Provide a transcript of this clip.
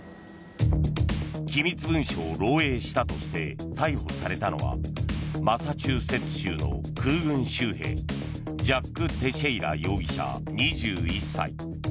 機密文書を漏洩したとして逮捕されたのはマサチューセッツ州の空軍州兵ジャック・テシェイラ容疑者２１歳。